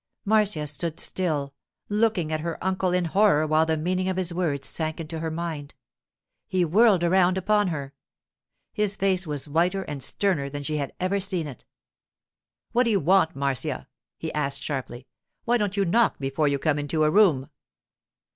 Marcia stood still, looking at her uncle in horror while the meaning of his words sank into her mind. He whirled around upon her. His face was whiter and sterner than she had ever seen it. 'What do you want, Marcia?' he asked sharply. 'Why don't you knock before you come into a room?